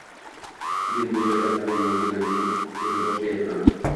— Men bu joyda hali yangiman, men endi boshlayapman…